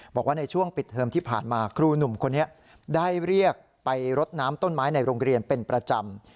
บอกว่าในช่วงปิดเทอมที่ผ่านมาครูหนุ่มคนนี้ได้เรียกไปรดน้ำต้นไม้ในโรงเรียนเป็นประจำ